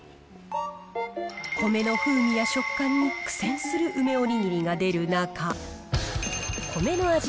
米の風味や食感に苦戦する梅おにぎりが出る中、米の味